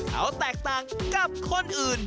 เขาแตกต่างกับคนอื่น